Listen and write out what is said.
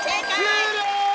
終了！